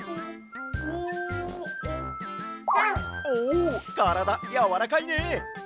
おからだやわらかいね！